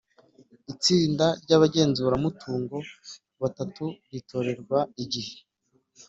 Itsinda ry abagenzuramutungo batatu ritorerwa igihe